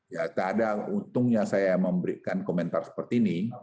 ya tak ada untungnya saya memberikan komentar seperti ini